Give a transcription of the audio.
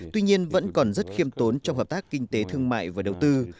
tuy nhiên vẫn còn rất khiêm tốn trong hợp tác kinh tế thương mại và đầu tư